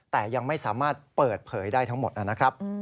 แต่ยังไม่สามารถเปิดเผยได้ทั้งหมดนะครับ